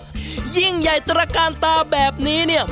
ช้างสุรินทร์ใหญ่ตระการตาแบบนี้เนี่ย